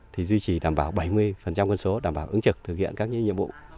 thì duy trì đảm bảo bảy mươi quân số đảm bảo ứng trực thực hiện các nhiệm vụ